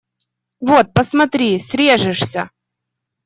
Вот, посмотри, срежешься!..